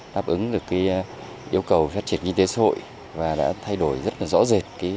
đáp ứng được yêu cầu phát triển kinh tế xã hội và đã thay đổi rất là rõ rệt